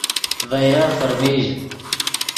ڤے یف فرمژ